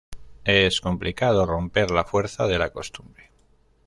es complicado romper la fuerza de la costumbre